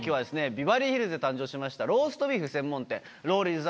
ビバリーヒルズで誕生しましたローストビーフ専門店。